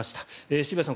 渋谷さん